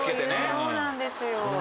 そうなんですよ。